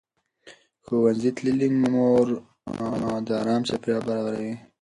ښوونځې تللې مور د ارام چاپېریال برابروي.